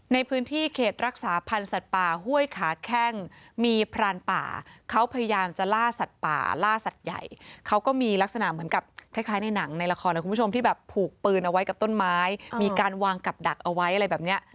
ในพื้นที่เขตรักษาพันธ์สัตว์ป่าห้วยขาแข้งมีพรานป่าเขาพยายามจะล่าสัตว์ป่าล่าสัตว์ใหญ่เขาก็มีลักษณะเหมือนกับคล้ายในหนังในละครนะคุณผู้ชมที่แบบผูกปืนเอาไว้กับต้นไม้มีการวางกับดักเอาไว้อะไรแบบนี้